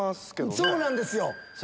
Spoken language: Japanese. そうなんですよ！